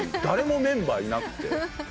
誰もメンバーいなくて。